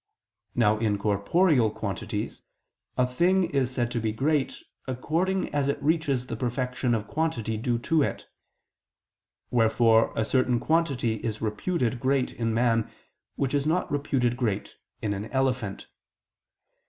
Now in corporeal quantities, a thing is said to be great, according as it reaches the perfection of quantity due to it; wherefore a certain quantity is reputed great in man, which is not reputed great in an elephant.